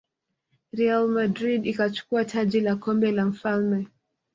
real madrid ikachukua taji la kombe la mfalme